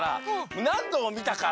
なんどもみたから。